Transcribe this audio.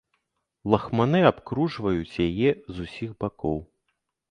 Лахманы абкружваюць яе з усіх бакоў.